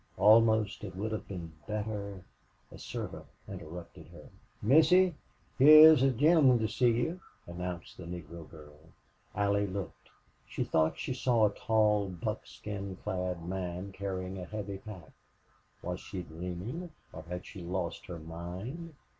Almost it would have been better A servant interrupted her. "Missy, heah's a gennelman to see yo'," announced the Negro girl. Allie looked. She thought she saw a tall, buckskin clad man carrying a heavy pack. Was she dreaming or had she lost her mind?